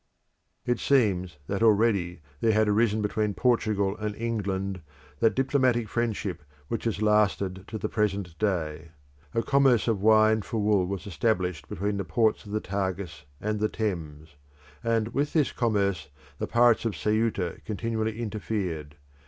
It seems that already there had risen between Portugal and England that diplomatic friendship which has lasted to the present day. A commerce of wine for wool was established between the ports of the Tagus and the Thames; and with this commerce the pirates of Ceuta continually interfered.